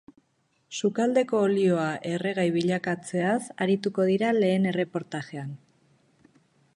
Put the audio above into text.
Sukaldeko olioa erregai bilakatzeaz arituko dira lehen erreportajean.